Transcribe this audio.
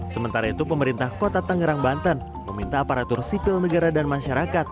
sementara itu pemerintah kota tangerang banten meminta aparatur sipil negara dan masyarakat